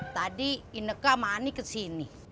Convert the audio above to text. tadi ineca sama ani ke sini